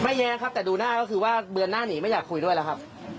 แย้งครับแต่ดูหน้าก็คือว่าเบือนหน้าหนีไม่อยากคุยด้วยแล้วครับ